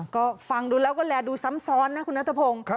ก็ฟังดูแล้วก็แลดูซ้ำซ้อนนะคุณนัทพงศ์